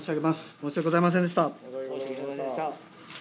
申し訳ございませんでした。